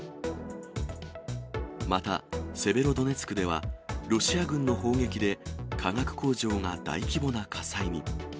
またセベロドネツクでは、ロシア軍の砲撃で、化学工場が大規模な火災に。